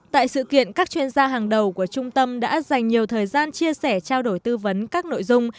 tại sự kiện các chuyên gia hàng đầu của trung tâm đã dành nhiều thời gian chia sẻ trao đổi tư vấn các nội dung